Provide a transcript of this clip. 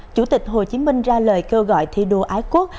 chủ tịch hồ chí minh ra lời kêu gọi thi đua ái quốc